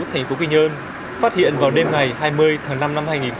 thành phố quy nhơn phát hiện vào đêm ngày hai mươi tháng năm năm hai nghìn một mươi sáu